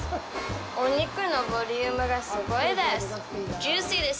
お肉のボリュームがすごいです。